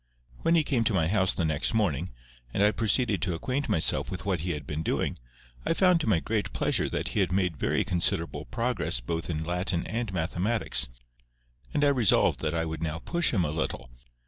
When he came to my house the next morning, and I proceeded to acquaint myself with what he had been doing, I found to my great pleasure that he had made very considerable progress both in Latin and Mathematics, and I resolved that I would now push him a little.